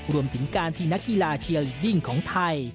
รวมถึงการที่นักกีฬาเชียร์ลีดดิ้งของไทย